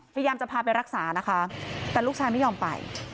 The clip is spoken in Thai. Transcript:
พยายามจะพาไปรักษานะคะแต่ลูกชายไม่ยอมไป